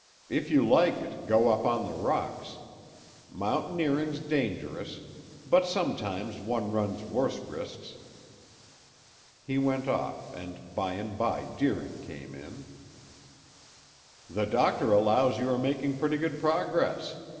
If you like it, go up on the rocks. Mountaineering's dangerous, but sometimes one runs worse risks." He went off and by and by Deering came in. "The doctor allows you are making pretty good progress.